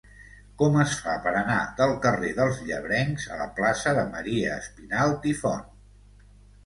Com es fa per anar del carrer dels Llebrencs a la plaça de Maria Espinalt i Font?